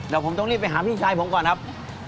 เดี๋ยวผมต้องรีบไปหาพี่ชายผมก่อนครับ